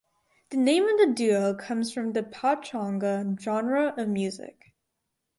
The name of the duo comes from the pachanga genre of music.